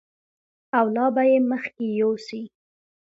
او لا به یې مخکې یوسي.